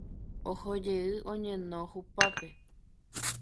Ohojey oñeno hupápe.